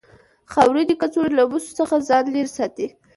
خاورینې کڅوړې له مسو څخه ځان لرې ساته.